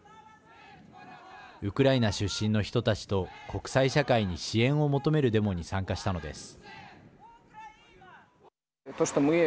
ウクライナ出身の人たちと国際社会に支援を求めるデモに参加したのです。